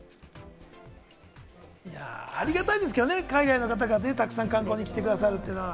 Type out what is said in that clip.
ありがたいですけれどもね、海外の方がたくさん観光に来て下さるのは。